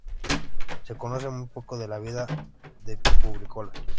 Se conoce muy poco de la vida de Publícola.